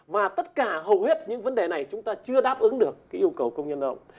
và tất cả hầu hết những vấn đề này chúng ta chưa đáp ứng được yêu cầu công nhân lao động